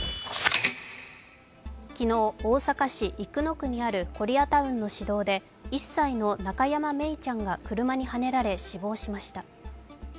昨日、大阪市生野区にあるコリアタウンの市道で、１歳の中山愛李ちゃんが車にはねられ死亡しました。